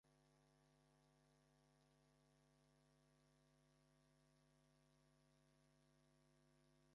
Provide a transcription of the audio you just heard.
The University of Georgia maintains a branch campus in Griffin.